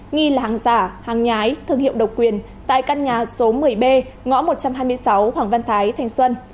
nghi là hàng giả hàng nhái thương hiệu độc quyền tại căn nhà số một mươi b ngõ một trăm hai mươi sáu hoàng văn thái thành xuân